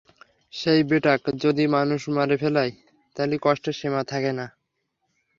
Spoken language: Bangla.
সেই বেটাক যদি মানুষ মারে ফেলায়, তালি কষ্টের সীমা থাহে না।